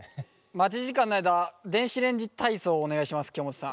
待ち時間の間電子レンジ体操をお願いします京本さん。